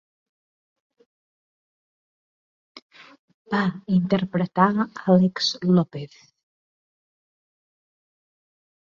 Va interpretar Álex López.